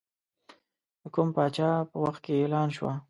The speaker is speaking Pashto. د کوم پاچا په وخت کې اعلان شوه.